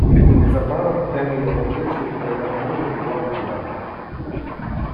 Незабаром теми його віршів привернули увагу влади.